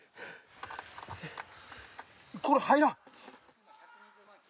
これ入らん。